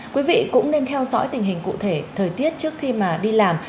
quý vị cũng nên theo dõi tình hình cụ thể thời tiết trước khi mà đi làm